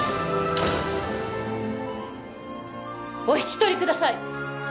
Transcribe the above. お引き取りください